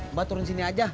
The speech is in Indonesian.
mbak turun sini aja